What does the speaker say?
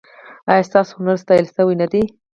ایا ستاسو هنر ستایل شوی نه دی؟